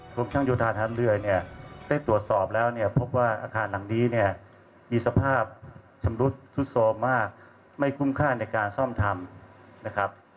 คุมช่างโยธาทหารเรือได้ตรวจสอบแล้วพบว่าอาคารหลังดีมีสภาพสุดโสมมากไม่คุ้มค่าในการซ่อมทำ